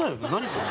それ。